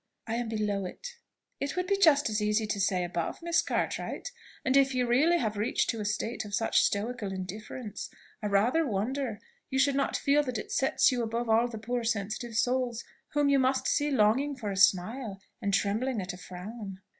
"I am below it." "It would be just as easy to say, above, Miss Cartwright; and if you really have reached to a state of such stoical indifference, I rather wonder you should not feel that it sets you above all the poor sensitive souls whom you must see longing for a smile, and trembling at a frown."